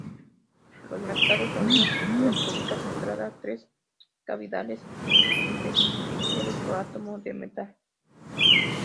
Los metales con un estructura cúbica centrada tres cavidades intersticiales por átomo de metal.